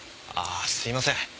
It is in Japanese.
ああすいません。